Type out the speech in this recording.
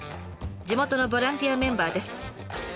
地元のボランティアメンバーです。